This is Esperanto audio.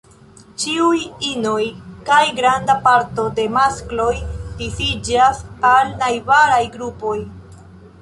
Ĉiuj inoj kaj granda parto de maskloj disiĝas al najbaraj grupoj.